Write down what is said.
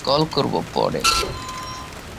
Call করব পরে।